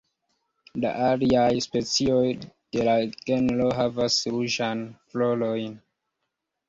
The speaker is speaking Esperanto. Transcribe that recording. La aliaj specioj de la genro havas ruĝajn florojn.